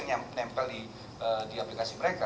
yang menempel di aplikasi mereka